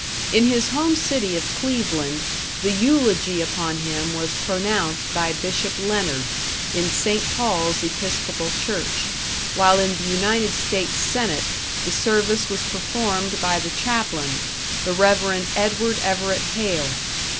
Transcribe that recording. In his home city of Cleveland the eulogy upon him was pronounced by Bishop Leonard, in St. Paul's Episcopal Church; while in the United States Senate the service was performed by the Chaplain, the Rev. Edward Everett Hale.